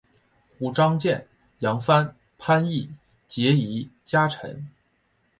胡璋剑杨帆潘羿捷移佳辰